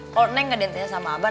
kalau neng nggak dendam sama abang